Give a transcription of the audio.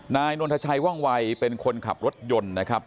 นายนนทชัยว่องวัยเป็นคนขับรถยนต์นะครับ